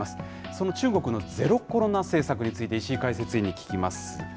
その中国のゼロコロナ政策について、石井解説委員に聞きます。